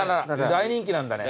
大人気なんだね。